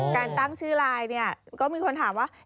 การตั้งชื่อลายก็มีคนถามว่า